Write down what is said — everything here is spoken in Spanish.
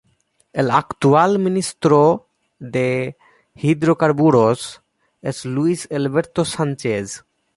El actual Ministro de Hidrocarburos es Luis Alberto Sánchez.